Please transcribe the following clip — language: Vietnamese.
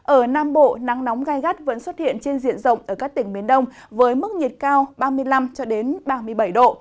ở nam bộ nắng nóng gai gắt vẫn xuất hiện trên diện rộng ở các tỉnh miền đông với mức nhiệt cao ba mươi năm ba mươi bảy độ